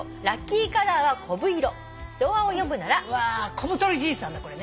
『こぶとりじいさん』だこれね。